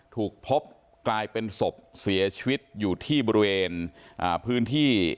ถูกพบกลายเป็นศพเสียชีวิตอยู่ที่บริเวณอ่าพื้นที่